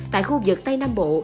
tại khu vực tây nam bộ